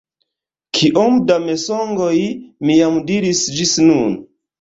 Kiom da mensogoj mi jam diris ĝis nun?